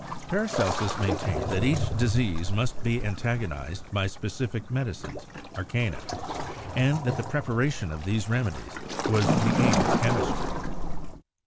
Paracelsus maintained that each dis ease must be antagonized by specific medicines ( "arcana"), and that the preparation of these remedies was the aim of chemistry.